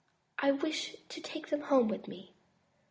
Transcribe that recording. I wish to take them home with me."